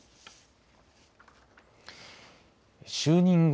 就任後